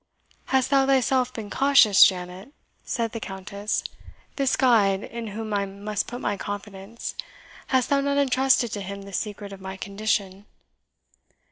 "Hast thou thyself been cautious, Janet?" said the Countess; "this guide, in whom I must put my confidence, hast thou not entrusted to him the secret of my condition?"